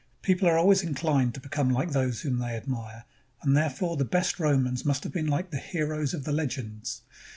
People are always inclined to become like those whom they admire, and therefore the best Romans must have been Hke the heroes of the legends.